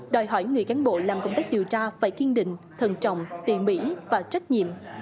đòi hỏi người cán bộ làm công tác điều tra phải kiên định thần trọng tỉ mỉ và trách nhiệm